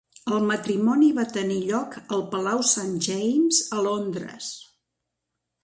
El matrimoni va tenir lloc al palau Saint James, a Londres.